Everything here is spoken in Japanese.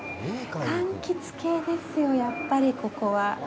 かんきつ系ですよ、やっぱりここは。